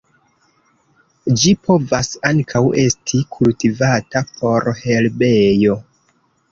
Ĝi povas ankaŭ esti kultivata por herbejo.